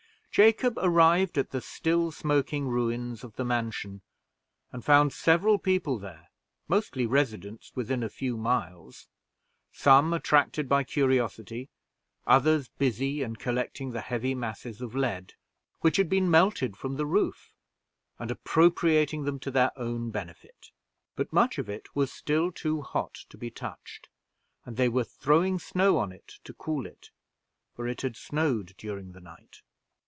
Jacob arrived at the still smoking ruins of the mansion, and found several people there, mostly residents within a few miles, some attracted by curiosity, others busy in collecting the heavy masses of lead which had been melted from the roof, and appropriating them to their own benefit; but much of it was still too hot to be touched, and they were throwing snow on it to cool it, for it had snowed during the night.